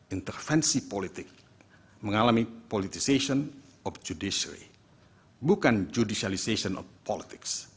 intervensi politik mengalami politisasi of judiciary bukan judicialisasi of politics